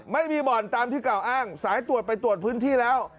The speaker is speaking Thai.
ไม่มีบ่อนตามที่กล่าวอ้างสายตรวจไปตรวจพื้นที่แล้ว